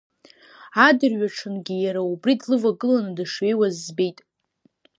Адырҩыҽынгьы иара убри длывагыланы дышҩеиуаз збеит.